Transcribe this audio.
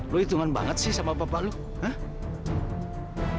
lu hitungan banget sih sama bapak lu ah